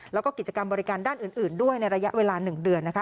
แล้วก็กิจกรรมบริการด้านอื่นด้วยในระยะเวลา๑เดือนนะคะ